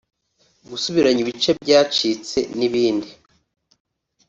gusubiranya ibice byacitse n’ibindi